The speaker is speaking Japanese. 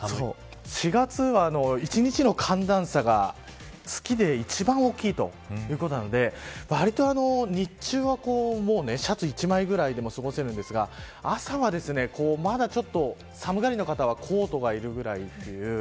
４月は１日の寒暖差が月で一番大きいということなのでわりと日中はシャツ一枚ぐらいでも過ごせるんですが朝はまだちょっと寒がりの方はコートがいるぐらい。